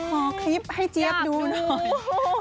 ขอคลิปให้เจี๊ยบดูหน่อย